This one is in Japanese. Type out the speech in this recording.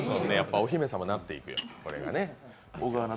お姫様になっていく。